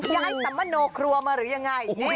นี่ไอ้ทะมะโนครัวมาหรืออย่างไร